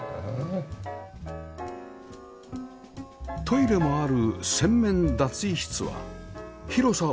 トイレもある洗面脱衣室は広さ